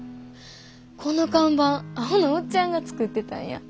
この看板アホのおっちゃんが作ってたんや。